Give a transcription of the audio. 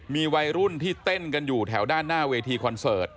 มีวัยรุ่นที่เต้นกันอยู่แถวด้านหน้าเวทีคอนเสิร์ต